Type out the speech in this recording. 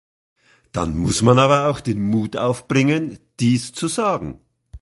Dann muss man aber auch den Mut aufbringen, dies zu sagen.